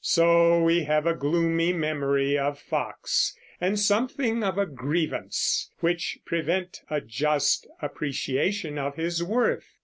So we have a gloomy memory of Foxe, and something of a grievance, which prevent a just appreciation of his worth.